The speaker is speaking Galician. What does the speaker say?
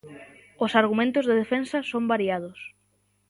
Os argumentos de defensa son variados.